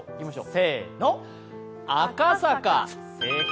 せーの、赤坂。